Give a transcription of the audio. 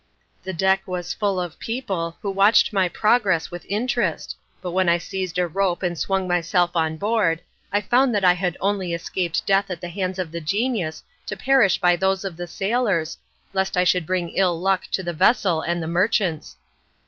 The deck was full of people, who watched my progress with interest, but when I seized a rope and swung myself on board, I found that I had only escaped death at the hands of the genius to perish by those of the sailors, lest I should bring ill luck to the vessel and the merchants.